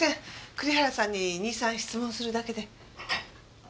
栗原さんに２３質問するだけで。